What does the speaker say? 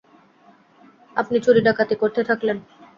আপনি চুরি চাকারি করতে থাকলেন।